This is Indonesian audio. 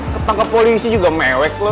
ketangkep polisi juga mewek lu